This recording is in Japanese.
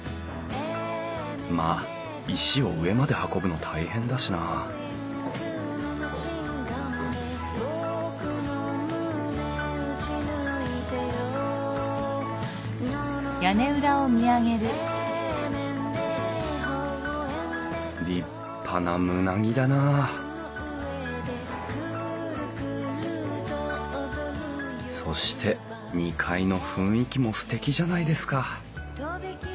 まあ石を上まで運ぶの大変だしな立派な棟木だなそして２階の雰囲気もすてきじゃないですか